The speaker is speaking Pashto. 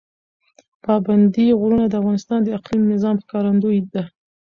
پابندی غرونه د افغانستان د اقلیمي نظام ښکارندوی ده.